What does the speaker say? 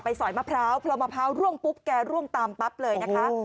สอยมะพร้าวพอมะพร้าวร่วงปุ๊บแกร่วงตามปั๊บเลยนะคะ